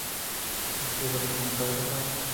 د سولې او پرمختګ لپاره.